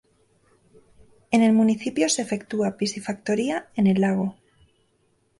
En el municipio se efectúa piscifactoría en el lago.